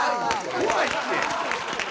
怖いって！